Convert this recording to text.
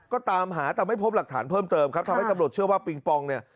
ก็ตามหาแต่ไม่พบหลักฐานเพิ่มเติมครับทำให้ตำรวจเชื่อว่าปิงปองเนี่ย